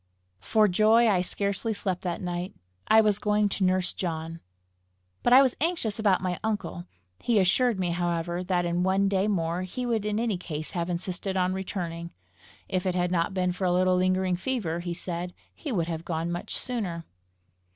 For joy I scarcely slept that night: I was going to nurse John! But I was anxious about my uncle. He assured me, however, that in one day more he would in any case have insisted on returning. If it had not been for a little lingering fever, he said, he would have gone much sooner.